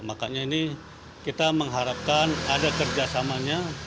makanya ini kita mengharapkan ada kerjasamanya